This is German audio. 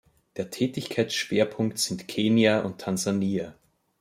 Der Tätigkeitsschwerpunkt sind Kenia und Tansania.